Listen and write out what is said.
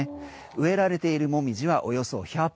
植えられているモミジはおよそ１００本。